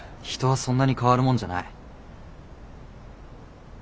人はそんなに変わるもんじゃない。